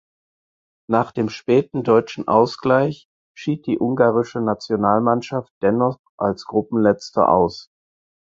Nach dem späten deutschen Ausgleich schied die ungarische Nationalmannschaft dennoch als Gruppenletzter aus.